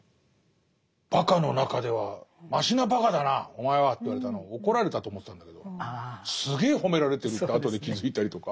「ばかの中ではましなばかだなお前は」って言われたのを怒られたと思ってたんだけどすげえ褒められてるって後で気付いたりとか。